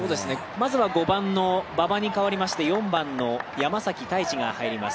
まずは５番の馬場に代わりまして４番の山崎大地が入ります。